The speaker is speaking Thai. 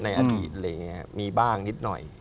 ในอดีตอะไรอย่างนี้มีบ้างนิดหน่อย